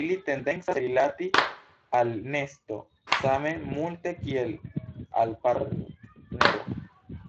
Ili tendencas rilati al nesto same multe kiel al partnero.